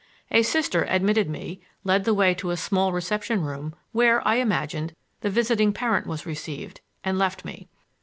A Sister admitted me, led the way to a small reception room where, I imagined, the visiting parent was received, and left me.